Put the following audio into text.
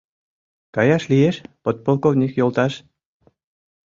— Каяш лиеш, подполковник йолташ?